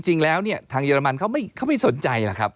จริงแล้วเนี่ยทางเยอรมันเขาไม่สนใจหรอกครับ